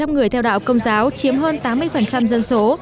hai bảy trăm linh người theo đạo công giáo chiếm hơn tám mươi dân số